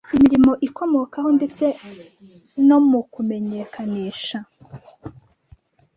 imirimo ikomokaho ndetse no mu kumenyekanisha